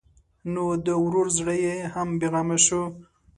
نو د ورور زړه یې هم بېغمه شو.